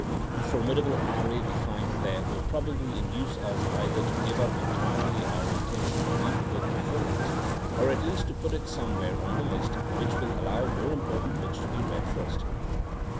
The formidable array we find there will probably induce us either to give up entirely our intention to read the book be fore us, or at least to put it somewhere on the list which will allow more important books to be read first.